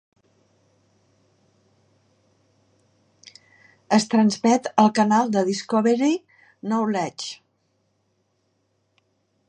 Es transmet al canal de Discovery Knowledge.